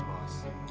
gak ada sebab